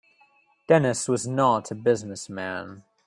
Dennis was not a business man.